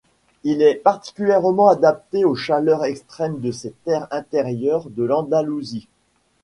Il est particulièrement adapté aux chaleurs extrêmes de ces terres intérieures de l'Andalousie.